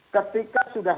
betul ini kan soal kebijakan